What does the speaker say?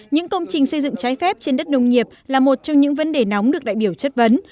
những công trình xây dựng trái phép trên đất nông nghiệp là một trong những vấn đề nóng được đại biểu chất vấn